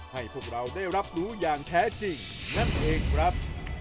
ให้พวกเราได้รับรู้อย่างแท้จริงนั่นเองครับ